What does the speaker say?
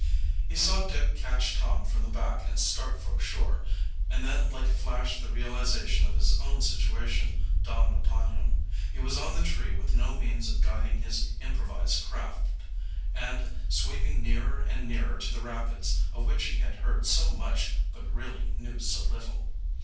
He saw Dick catch Tom from the back and start for shore, and then like a flash the realization of his own situation dawned upon him. He was on the tree with no means of guiding his improvised craft, and sweeping nearer and nearer to the rapids of which he had heard so much but really knew so little.